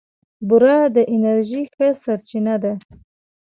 بوره د انرژۍ ښه سرچینه ده.